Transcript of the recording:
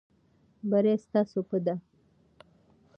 بری ستاسو په دی.